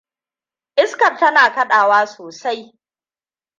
Iskar tana kaɗawa sosai.